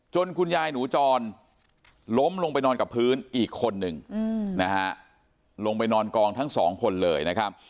คุณยายหนูจรล้มลงไปนอนกับพื้นอีกคนนึงนะฮะลงไปนอนกองทั้งสองคนเลยนะครับ